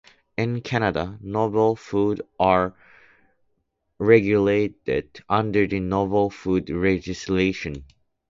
In Canada, novel foods are regulated under the Novel Foods Regulations.